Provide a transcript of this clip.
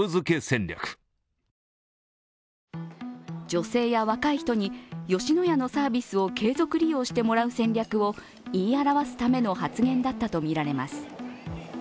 女性や若い人に吉野家のサービスを継続利用してもらう戦略を言い表すための発言だったとみられます。